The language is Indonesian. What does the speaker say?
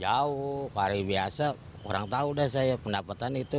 jauh hari biasa orang tahu dah saya pendapatan itu